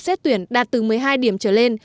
xét tuyển đạt từ một mươi hai điểm trở lên